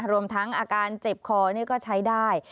รวมทั้งอาการเจ็บคอนี่ก็ใช้ได้